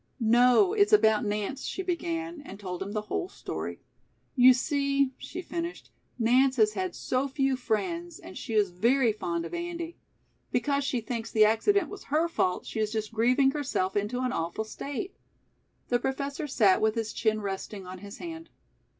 "No, it's about Nance," she began, and told him the whole story. "You see," she finished, "Nance has had so few friends, and she is very fond of Andy. Because she thinks the accident was her fault, she is just grieving herself into an awful state." The Professor sat with his chin resting on his hand.